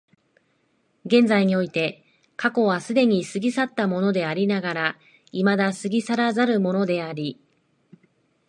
現在において過去は既に過ぎ去ったものでありながら未だ過ぎ去らざるものであり、